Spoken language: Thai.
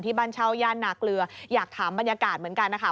บ้านเช่าย่านนาเกลืออยากถามบรรยากาศเหมือนกันนะคะ